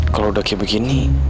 kalau udah kayak begini